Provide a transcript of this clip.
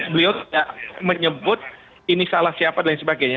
beliau tidak menyebut ini salah siapa dan sebagainya